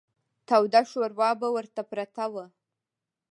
توده شوروا به ورته پرته وه.